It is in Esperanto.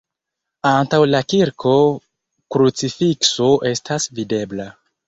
Antaŭ la kirko krucifikso estas videbla.